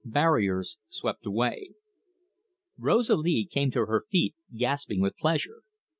BARRIERS SWEPT AWAY Rosalie came to her feet, gasping with pleasure.